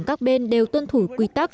các bên đều tuân thủ quy tắc